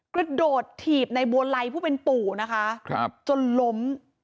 กระโดดถีบในบัวไลผู้เป็นปู่นะคะจนล้ม